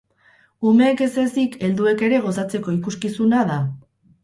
Umeek ez ezik, helduek ere gozatzeko ikuskizuna da.